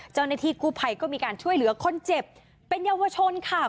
เจ้าหน้าที่กู้ภัยก็มีการช่วยเหลือคนเจ็บเป็นเยาวชนค่ะ